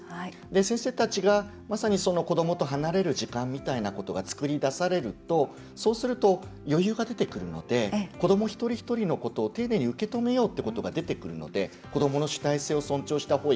先生たちが、まさに子どもと離れる時間みたいなことが作り出されるとそうすると余裕が出てくるので子ども一人一人のことを丁寧に受け止めようってことが出てくるので子どもの主体性を尊重した保育。